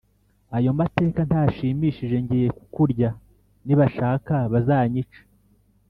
ayo mateka ntashimishije ngiye kukurya, nibashaka bazanyice!